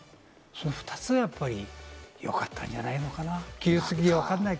その二つがやっぱりよかったんじゃないのかなぁ。